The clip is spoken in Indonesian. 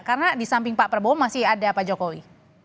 karena di samping pak prabowo masih ada pak jokowi